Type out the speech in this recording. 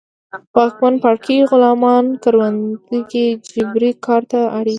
واکمن پاړکي غلامان کروندو کې جبري کار ته اړ اېستل